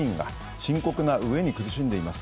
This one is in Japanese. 深刻な飢えに苦しんでいます。